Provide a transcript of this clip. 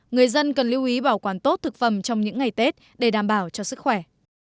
người dân cần lưu ý bảo quản tốt thực phẩm trong những ngày tết để đảm bảo cho sức khỏe